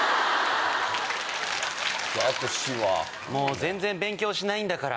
全然勉強しないんだから！